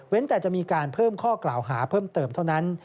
แต่จะมีการเพิ่มข้อกล่าวหาเพิ่มเติมเท่านั้น